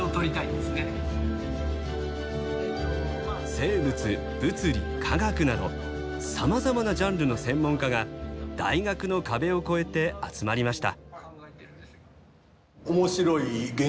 生物物理化学などさまざまなジャンルの専門家が大学の壁を越えて集まりました。